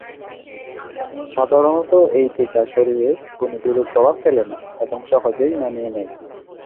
সাধারণত এই টীকা শরীরে কোনো বিরূপ প্রভাব ফেলে না এবং সহজেই মানিয়ে নেয়।